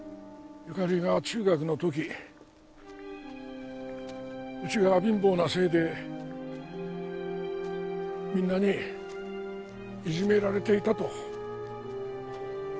ゆかりが中学の時うちが貧乏なせいでみんなにいじめられていたと。